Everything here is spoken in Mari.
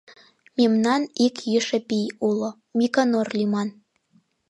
— Мемнан ик йӱшӧ пий уло, Миконор лӱман...